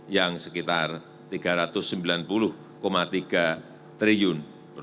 yang sekitar rp tiga ratus sembilan puluh tiga triliun